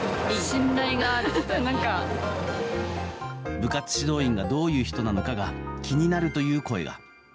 部活指導員がどういう人なのかが気になるという声が。